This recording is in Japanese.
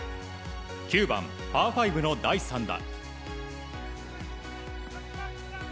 ９番、パー５の第３打。